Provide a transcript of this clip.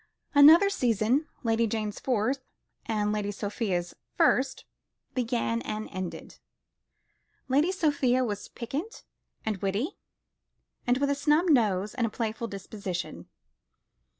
Another season, Lady Jane's fourth, and Lady Sophia's first, began and ended. Lady Sophia was piquant and witty, with a snub nose and a playful disposition.